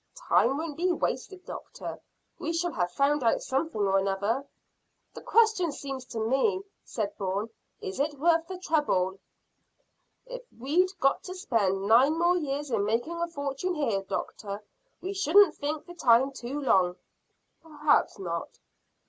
"Time won't be wasted, doctor; we shall have found out something or another." "The question seems to me," said Bourne, "is it worth the trouble?" "If we'd got to spend nine more years in making a fortune here, doctor, we shouldn't think the time too long." "Perhaps not."